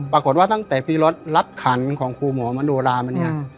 ปรากฏว่าตั้งแต่พี่รถรับขันของครูหมอมโนรามาเนี่ย